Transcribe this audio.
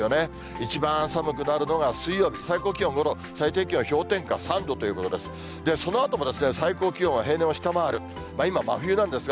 一番寒くなるのが水曜日、最高気温５度、最低気温氷点下３度ということですが。